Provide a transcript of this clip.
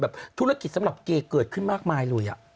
ธุรกิจสำหรับเกย์เกิดขึ้นมากมายเลย